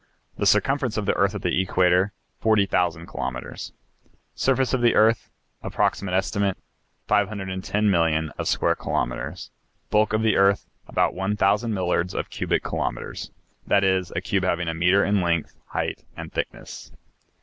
The circumference of the earth at the equator, 40,000 kilometres. Surface of the earth, approximate estimate, 510,000,000 of square kilometers. Bulk of the earth, about 1,000 millards of cubic kilometres; that is, a cube having a metre in length, height, and thickness.